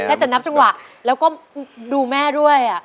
ได้แต่นับจังหวะแล้วก็ดูแม่ด้วย